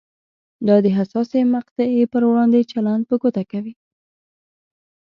دا د حساسې مقطعې پر وړاندې چلند په ګوته کوي.